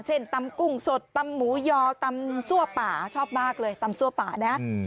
ตำกุ้งสดตำหมูยอตำซั่วป่าชอบมากเลยตำซั่วป่านะ